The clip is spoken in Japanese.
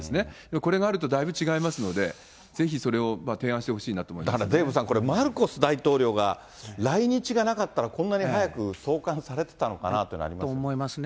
これがあるとだいぶ違いますので、ぜひそれを提案してほしいなと思だからデーブさん、これ、マルコス大統領が来日がなかったら、こんなに早く送還されてたのかなと思いますね。